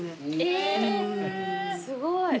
えすごい。